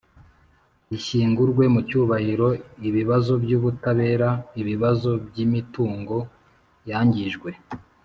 Ishyingurwe mu cyubahiro ibibazo by ubutabera ibibazo by imitungo yangijwe